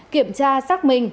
kiểm tra xác minh